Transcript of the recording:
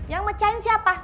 yang mecahin siapa